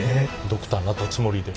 ドクターなったつもりで。